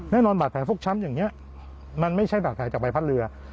แน่นอนบาดแผลฟกช้ำอย่างนี้มันไม่ใช่บาดแผลจากใบพัดเรือ